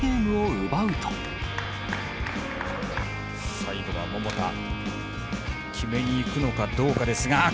最後は桃田、決めに行くのかどうかですが。